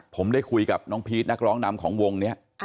ผมได้คุยกับน้องพีชนักร้องนำของวงนี้